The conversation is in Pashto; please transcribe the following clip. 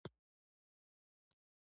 • ونه ژوند ورکوي.